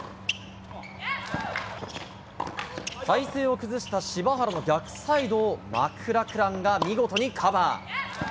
体勢を崩した柴原の逆サイドをマクラクランが見事にカバー。